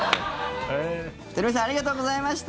鳥海さんありがとうございました。